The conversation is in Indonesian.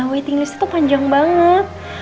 waiting list itu panjang banget